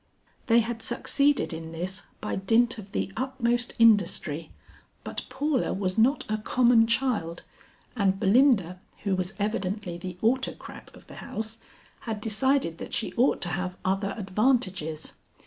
They had succeeded in this by dint of the utmost industry, but Paula was not a common child, and Belinda, who was evidently the autocrat of the house, had decided that she ought to have other advantages.